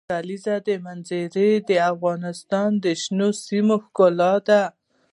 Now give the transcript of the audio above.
د کلیزو منظره د افغانستان د شنو سیمو ښکلا ده.